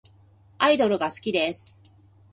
アイドルが好きです。